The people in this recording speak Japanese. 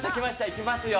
いきますよ！